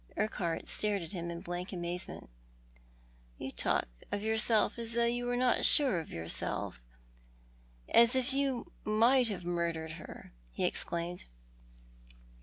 Urquhart stared at him in blank amazement. "You talk of yourself as if you were not sure of yourself — as if you might have murdered her," he exclaimed.